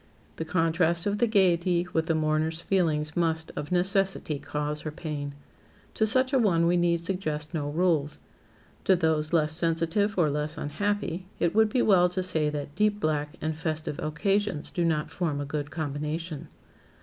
The contrast of the gaiety with the mourner's feelings must, of necessity, cause her pain. To such a one we need suggest no rules. To those less sensitive or less unhappy, it would be well to say that deep black and festive occasions do not form a good combination.